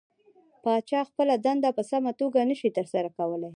پاچا خپله دنده په سمه توګه نشي ترسره کولى .